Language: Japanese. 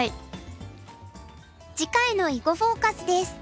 次回の「囲碁フォーカス」です。